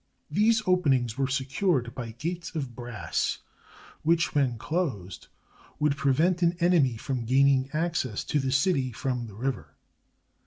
These openings were secured by gates of brass, which, when closed, would prevent an enemy from gain ing access to the city from the river.